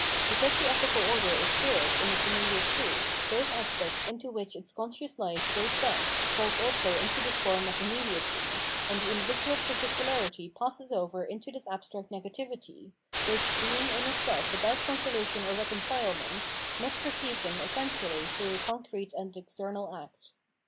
Because the ethical order is spirit in its immediate truth, those aspects into which its conscious life breaks up, fall also into this form of immediacy; and the individual's particularity passes over into this abstract negativity, which, being in itself without consolation or reconcilement, must receive them essentially through a concrete and external act.